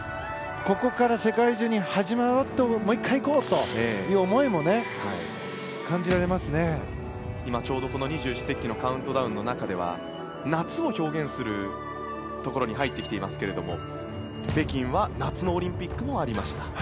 ここから世界中に、始まろうもう１回行こうという思いも今ちょうどこの二十四節気のカウントダウンの中では夏を表現するところに入ってきていますが北京は夏のオリンピックもありました。